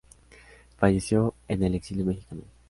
Falleció en el exilio mexicano.